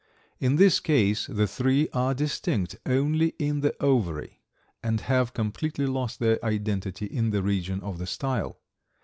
In this case the three are distinct only in the ovary, and have completely lost their identity in the region of the style.